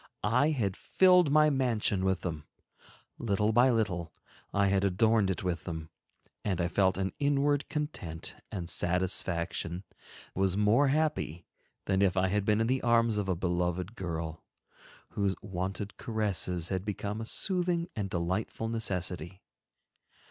I had filled my mansion with them; little by little, I had adorned it with them, and I felt an inward content and satisfaction, was more happy than if I had been in the arms of a beloved girl, whose wonted caresses had become a soothing and delightful necessity.